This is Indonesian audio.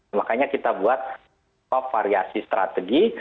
oleh karena itu kami membuat variasi strategi